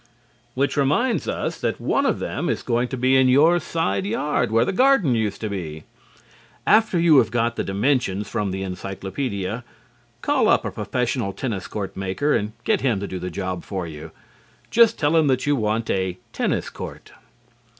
Which reminds us that one of them is going to be in your side yard where the garden used to be. After you have got the dimensions from the Encyclopædia, call up a professional tennis court maker and get him to do the job for you. Just tell him that you want "a tennis court."